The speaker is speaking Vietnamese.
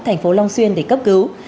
thành phố long xuyên để cấp cứu